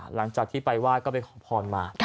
หลังจากที่ไปไหว้ก็ไปขอพรมา